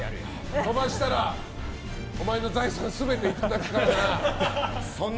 飛ばしたら、お前の財産全ていただくからな。